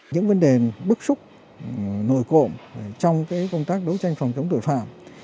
những vấn đề bức xúc nội cổm trong công tác đấu tranh phòng chống tội phạm